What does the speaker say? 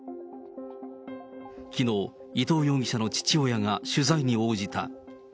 きのう、伊藤容疑者の父親が取材に応じた。